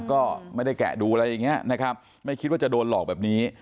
ก็ไม่ได้แกะดูอะไรอย่างนี้นะครับไม่คิดว่าจะโดนหลอกแบบนี้